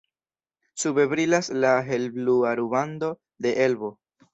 Sube brilas la helblua rubando de Elbo.